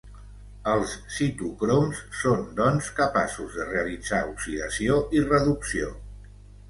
Els citocroms són, doncs, capaços de realitzar oxidació i reducció.